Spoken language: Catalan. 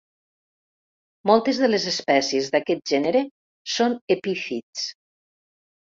Moltes de les espècies d'aquest gènere són epífits.